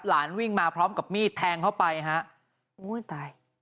หลานวิ่งมาพร้อมกับมิดแทงเข้าไปฮะโม่นตาย